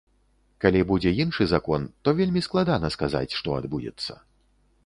Калі будзе іншы закон, то вельмі складана сказаць, што адбудзецца.